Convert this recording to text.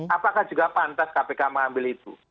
apakah juga pantas kpk mengambil itu